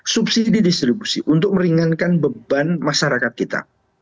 subsidi distribusi untuk meringankan beban masyarakat kita